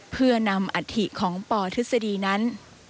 เพื่อนำอัฐิของปทฤษฎีนั้น